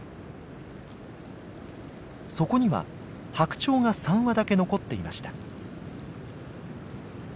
そこにはハクチョウが３羽だけ残っていました。